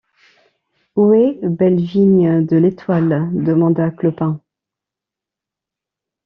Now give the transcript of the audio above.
Où est Bellevigne de l’Étoile? demanda Clopin.